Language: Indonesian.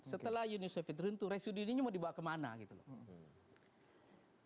setelah yunus fidrin itu residuenya mau dibawa kemana gitu loh